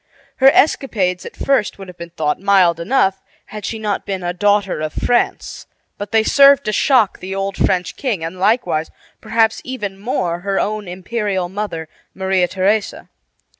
Her escapades at first would have been thought mild enough had she not been a "daughter of France"; but they served to shock the old French king, and likewise, perhaps even more, her own imperial mother, Maria Theresa.